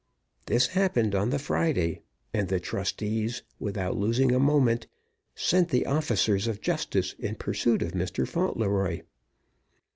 This happened on the Friday, and the trustees, without losing a moment, sent the officers of justice in pursuit of Mr. Fauntleroy.